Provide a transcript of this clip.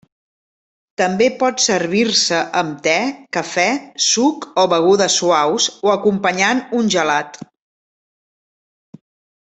També pot servir-se amb te, cafè, suc o begudes suaus o acompanyant un gelat.